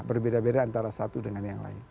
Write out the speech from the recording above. berbeda beda antara satu dengan yang lain